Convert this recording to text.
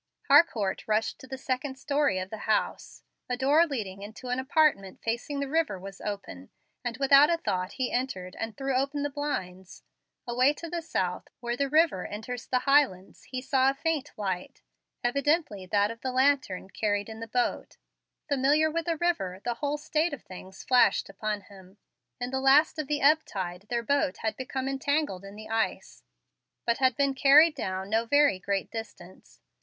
Harcourt rushed to the second story of the house. A door leading into an apartment facing the river was open, and without a thought he entered and threw open the blinds. Away to the south, where the river enters the Highlands, he saw a faint light, evidently that of the lantern carried in the boat. Familiar with the river, the whole state of things flashed upon him. In the last of the ebb tide their boat had become entangled in the ice, but had been carried down no very great distance.